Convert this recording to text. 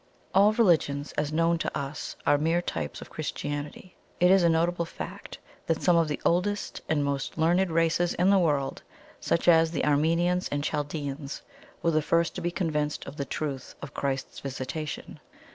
"All religions, as known to us, are mere types of Christianity. It is a notable fact that some of the oldest and most learned races in the world, such as the Armenians and Chaldeans, were the first to be convinced of the truth of Christ's visitation.